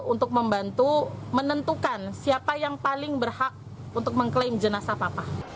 untuk membantu menentukan siapa yang paling berhasil